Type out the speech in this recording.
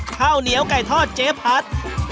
ข้าวเหนียวไก่ทอดเจ๊พัด